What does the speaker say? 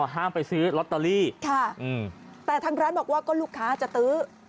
ห้ามไปซื้อลอตเตอรี่ค่ะแต่ทางร้านบอกว่าก็ลูกค้าจะซื้อ